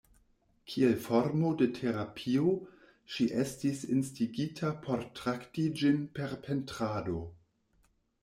Kiel formo de terapio, ŝi estis instigita por trakti ĝin per pentrado.